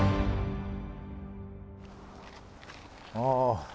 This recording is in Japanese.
ああ。